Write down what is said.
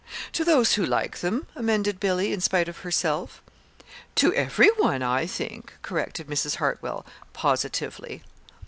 "To those who like them," amended Billy in spite of herself. "To every one, I think," corrected Mrs. Hartwell, positively.